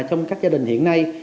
trong các gia đình hiện nay